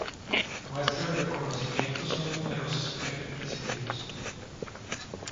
Muestra del reconocimiento son numerosos premios recibidos.